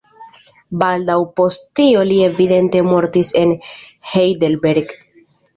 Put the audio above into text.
Baldaŭ post tio li evidente mortis en Heidelberg.